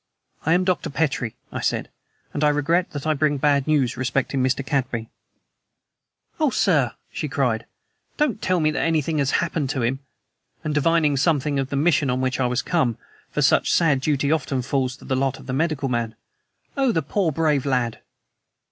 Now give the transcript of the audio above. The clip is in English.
"I am Dr. Petrie," I said, "and I regret that I bring bad news respecting Mr. Cadby." "Oh, sir!" she cried. "Don't tell me that anything has happened to him!" And divining something of the mission on which I was come, for such sad duty often falls to the lot of the medical man: "Oh, the poor, brave lad!"